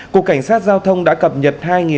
cục cảnh sát giao thông đã cập nhật